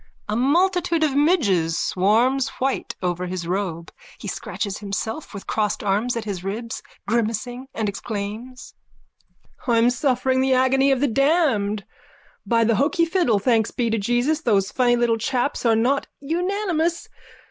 _(A multitude of midges swarms white over his robe. He scratches himself with crossed arms at his ribs, grimacing, and exclaims:)_ I'm suffering the agony of the damned. By the hoky fiddle, thanks be to Jesus those funny little chaps are not unanimous.